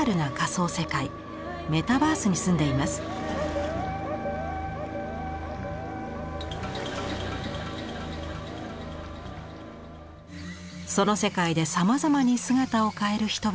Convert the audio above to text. その世界でさまざまに姿を変える人々。